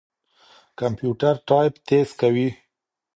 کمپيوټر ټايپ تېز کوي.